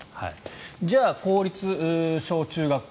じゃあ、公立小中学校